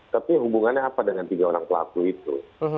tapi hubungannya apa dengan tiga orang pelaku itu